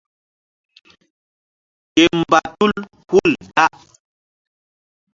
Ke mba tul hul da.